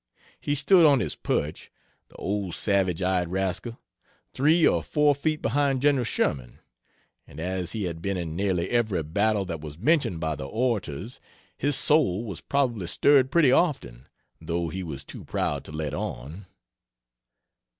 He stood on his perch the old savage eyed rascal three or four feet behind Gen. Sherman, and as he had been in nearly every battle that was mentioned by the orators his soul was probably stirred pretty often, though he was too proud to let on.